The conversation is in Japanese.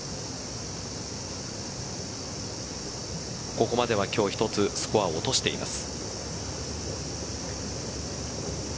ここまでは今日１つスコアを落としています。